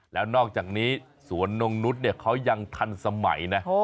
แล้วนอกจากนี้สวนนงนุษย์เขายังทันสมัยนะ